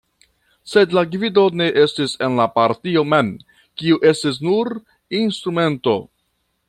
Sed la gvido ne estis en la partio mem, kiu estis nur instrumento.